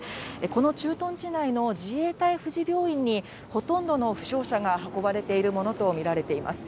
この駐屯地内の自衛隊富士病院にほとんどの負傷者が運ばれているものと見られています。